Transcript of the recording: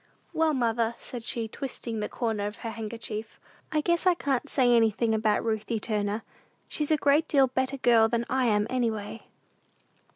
"Well, mother," said she, twisting the corner of her handkerchief, "I guess I can't say anything about Ruthie Turner; she's a great deal better girl than I am, any way."